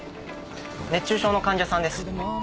熱中症の患者さんです。